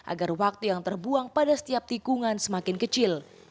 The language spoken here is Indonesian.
agar waktu yang terbuang pada setiap tikungan semakin kecil